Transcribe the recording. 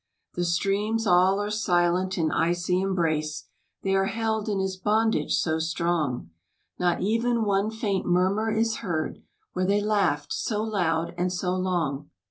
The streams all are silent in icy embrace, They are held in his bondage so strong: Not even one faint murmur is heard, Where they laughed so loud and so long.